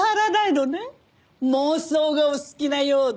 妄想がお好きなようで。